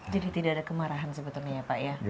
jadi tidak ada kemarahan sebetulnya pak ya